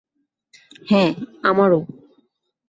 হ্যাঁ, আমারো।